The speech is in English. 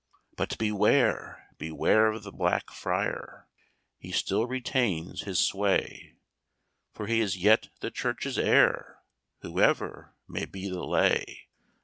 "But beware! beware of the Black Friar, He still retains his sway, For he is yet the church's heir, Whoever may be the lay.